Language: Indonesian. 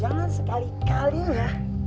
jangan sekali kali ya